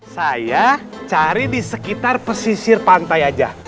saya cari di sekitar pesisir pantai aja